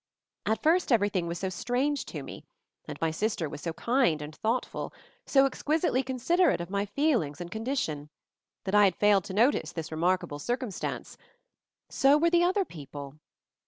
At first everything was so strange to me, and my sister was so kind and thoughtful, so exquisitely considerate of my feelings and condition, that I had failed to notice this re markable circumstance — so were the other people.